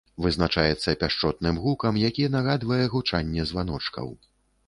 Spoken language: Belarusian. Вызначаецца пяшчотным гукам, які нагадвае гучанне званочкаў.